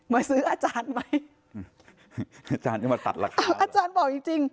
มาซื้ออาจารย์ไหมอาจารย์ก็มาตัดราคาอาจารย์บอกจริงจริง